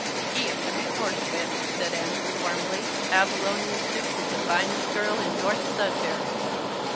"He ought to be horsewhipped!" said Andrew warmly. "Abilonia Supe is the finest girl in North Sudbury."